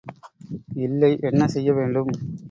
இல்லை, என்ன செய்ய வேண்டும்.